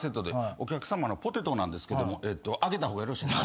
お客さまポテトなんですけども切った方がよろしいですか？